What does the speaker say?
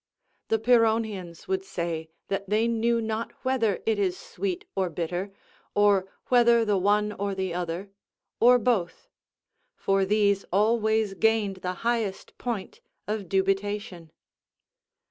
The Pyrrhonians would say that they knew not whether it is sweet or bitter, or whether the one or the other, or both; for these always gained the highest point of dubitation.